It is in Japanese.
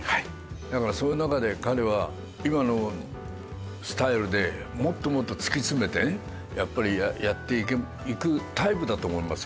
だからそういう中で彼は今のスタイルでもっともっと突き詰めてねやっぱりやっていくタイプだと思いますよ。